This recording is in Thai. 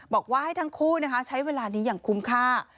บอกว่าให้ทั้งคู่ใช้เวลานี้อย่างคุ้มค่า